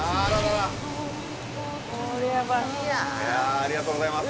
ありがとうございます。